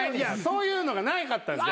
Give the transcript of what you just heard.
そういうのがなかったんで。